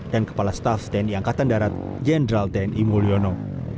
dan kepala staff tni angkatan darat jendral tni mulyono